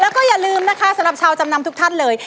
แล้วก็อย่าลืมนะคะสำหรับชาวจำนำทุกท่านเลย